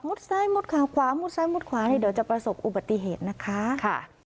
ซ้ายมุดขาขวามุดซ้ายมุดขวาเนี่ยเดี๋ยวจะประสบอุบัติเหตุนะคะค่ะ